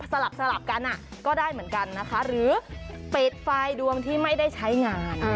สลับกันก็ได้เหมือนกันนะคะหรือปิดไฟล์ดวงที่ไม่ได้ใช้งาน